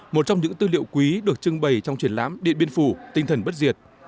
một trong những tư liệu quý được trưng bày trong triển lãm điện biên phủ tinh thần bất diệt